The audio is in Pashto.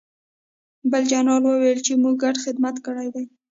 بل جنرال وویل چې موږ ګډ خدمت کړی دی